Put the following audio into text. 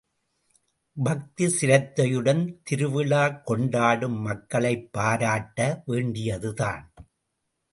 பக்தி சிரத்தையுடன் திருவிழாக் கொண்டாடும் மக்களைப் பாராட்ட வேண்டியதுதான்!